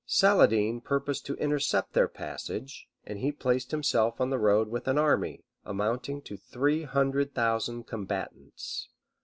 Saladin purposed to intercept their passage: and he placed himself on the road with an army, amounting to three hundred thousand combatants.